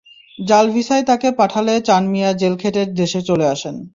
জাল ভিসায় তাঁকে পাঠালে চান মিয়া জেল খেটে দেশে চলে আসেন।